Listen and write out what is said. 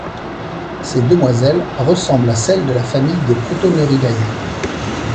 Ces demoiselles ressemblent à celles de la famille des Protoneuridae.